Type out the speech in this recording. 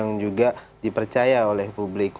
yang juga dipercaya oleh publik